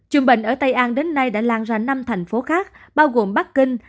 chùm bệnh ở tây an đến nay đã lan ra năm thành phố khác bao gồm bắc kinh